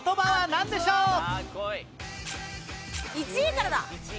１位からだ！